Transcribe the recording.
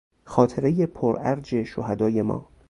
خاطرهی پرارج شهدای ما